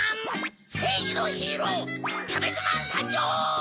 せいぎのヒーローキャベツマンさんじょう！